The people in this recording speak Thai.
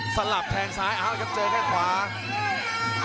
สลับแทงสายอังกฤษเจอการความ